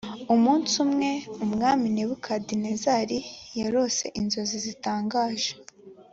umunsi umwe umwami nebukadinezari yarose inzozi zitangaje